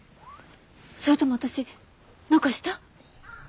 それとも私何かした？